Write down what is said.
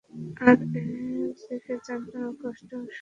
আর এদিকে যন্ত্রণার কষ্টও অসহনীয়।